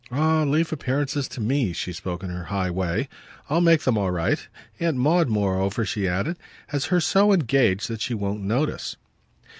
"Ah leave appearances to me!" She spoke in her high way. "I'll make them all right. Aunt Maud, moreover," she added, "has her so engaged that she won't notice."